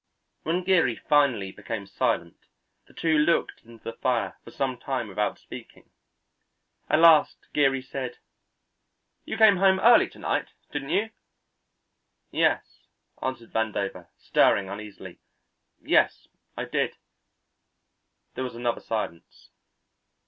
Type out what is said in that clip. When Geary finally became silent, the two looked into the fire for some time without speaking. At last Geary said: "You came home early to night, didn't you?" "Yes," answered Vandover, stirring uneasily. "Yes, I did." There was another silence.